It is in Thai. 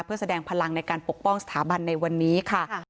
เพื่อแสดงพลังในการปกป้องสถาบันในวันนี้ค่ะ